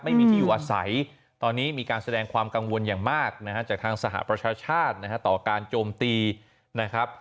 ไม่มีที่อยู่อาศัยตอนนี้มีการแสดงความกังวลอย่างมากนะฮะจากทางสหประชาชาตินะฮะต่อการโจมตีนะครับ